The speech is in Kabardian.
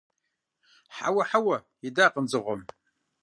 – Хьэуэ, хьэуэ! – идакъым дзыгъуэм.